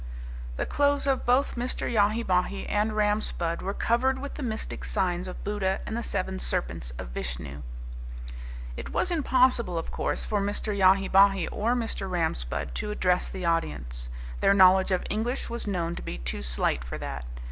The clothes of both Mr. Yahi Bahi and Ram Spudd were covered with the mystic signs of Buddha and the seven serpents of Vishnu. It was impossible, of course, for Mr. Yahi Bahi or Mr. Ram Spudd to address the audience. Their knowledge of English was known to be too slight for that.